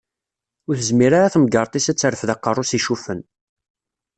Ur tezmir ara temgerṭ-is ad terfeḍ aqerru-s icuffen.